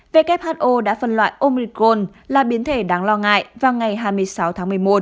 who đã phân loại omicron là biến thể đáng lo ngại vào ngày hai mươi sáu tháng một mươi một